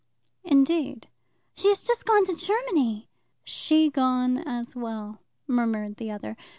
"Indeed?" "She has just gone to Germany." "She gone as well," murmured the other.